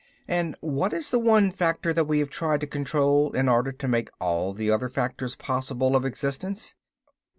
"And what is the one factor that we have tried to control in order to make all the other factors possible of existence?"